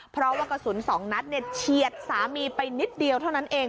เพราะว่ากระสุน๒นัดเฉียดสามีไปนิดเดียวเท่านั้นเอง